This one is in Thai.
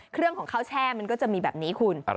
เครื่องของข้าวแช่มันก็จะมีแบบนี้คุณ